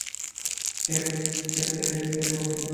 Cake খেতে কে না পছন্দ করেন!